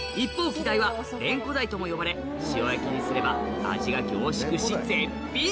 キダイはレンコダイとも呼ばれ塩焼きにすれば味が凝縮し絶品